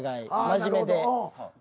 真面目で。